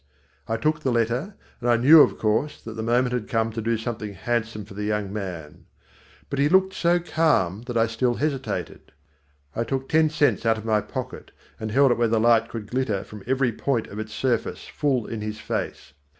I took the letter, and I knew of course that the moment had come to do something handsome for the young man. But he looked so calm that I still hesitated. I took ten cents out of my pocket and held it where the light could glitter from every point of its surface full in his face.